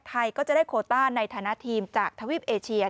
ไทยก็จะได้โคต้าในฐานะทีมจากทวีปเอเชีย